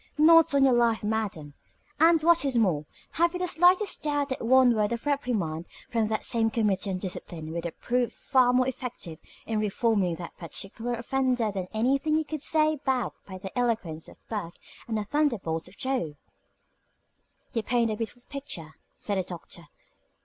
Not on your life, madam. And, what is more, have you the slightest doubt that one word of reprimand from that same Committee on Discipline would prove far more effective in reforming that particular offender than anything you could say backed by the eloquence of Burke and the thunderbolts of Jove?" "You paint a beautiful picture," said the Doctor.